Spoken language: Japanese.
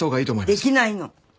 できないの。